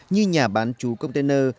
như nhà bán chú container